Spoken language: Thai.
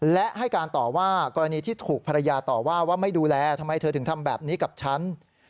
และให้การต่อว่ากรณีที่ถูกภรรยาต่อว่าว่าไม่ดูแลทำไมเธอถึงทำแบบนี้กับฉัน